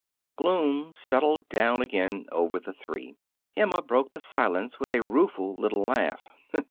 Gloom settled down again over the three. Emma broke the silence with a rueful little laugh.